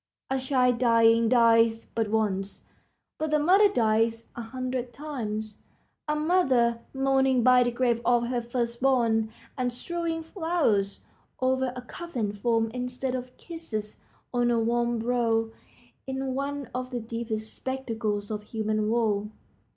A child dying dies but once, but the mother dies a hundred times. A mother mourning by the grave of her first born, and strewing flowers over a coffined form instead of kisses on a warm brow, is one of the deepest spectacles of human woe.